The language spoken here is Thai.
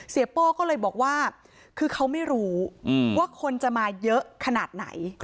โป้ก็เลยบอกว่าคือเขาไม่รู้ว่าคนจะมาเยอะขนาดไหน